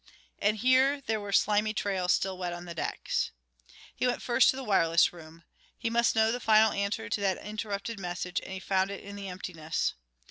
And here there were slimy trails still wet on the decks. He went first to the wireless room. He must know the final answer to that interrupted message, and he found it in emptiness.